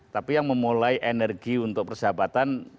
tapi yang memulai energi untuk persahabatan